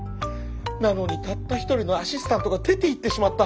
なのにたった一人のアシスタントが出ていってしまった！